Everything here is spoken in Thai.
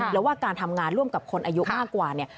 แล้วว่าการทำงานร่วมกับคนอายุมากกว่าเนี่ย